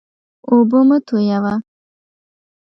اوبه مه تویوه.